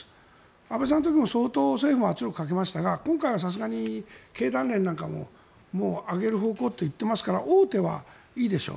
安倍さんの時も相当、政府も圧力をかけましたが今回はさすがに経団連なんかも上げる方向って言ってますから大手はいいでしょう。